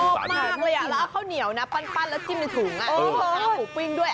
สนองมากเลยแล้วข้าวเหนียวและปั้นจิ้มในถุงแล้วข้าวหมูปิ้งด้วย